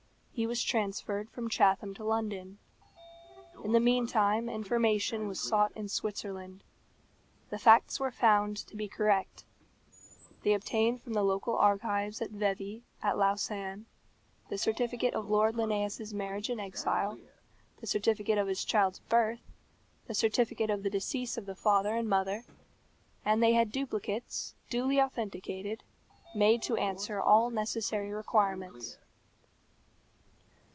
He was transferred from Chatham to London. In the meantime information was sought in Switzerland. The facts were found to be correct. They obtained from the local archives at Vevey, at Lausanne, the certificate of Lord Linnæus's marriage in exile, the certificate of his child's birth, the certificate of the decease of the father and mother; and they had duplicates, duly authenticated, made to answer all necessary requirements.